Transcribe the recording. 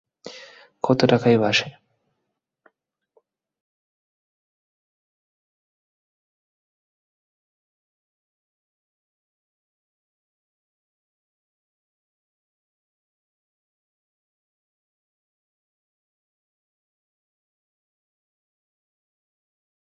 একই সঙ্গে আইনশৃঙ্খলা পরিস্থিতি স্বাভাবিক রাখতে প্রচুর পুলিশ মোতায়েন করা হয়েছে।